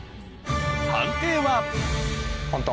判定は？